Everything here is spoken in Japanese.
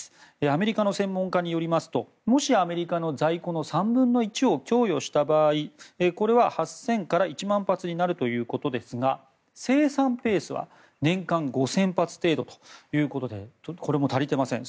アメリカの専門家によりますともしアメリカの在庫の３分の１を供与した場合これは８０００から１万発になるということですが生産ペースは年間５０００発程度ということでこれも足りていません。